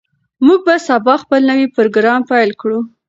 موږ به سبا خپل نوی پروګرام پیل کړو.